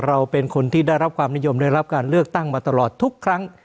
เราเป็นคนที่ได้รับความนิยมได้รับการเลือกตั้งมาตลอดทุกครั้ง